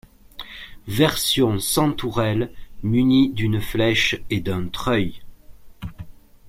Version sans tourelle munie d'une flèche et d'un treuil.